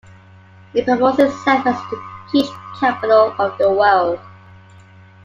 It promotes itself as The Peach Capital of the World.